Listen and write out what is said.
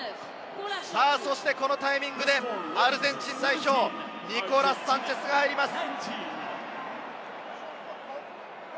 そしてこのタイミングでアルゼンチン代表、ニコラス・サンチェスが入ります。